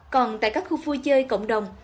còn tại các khu vui chơi cộng đồng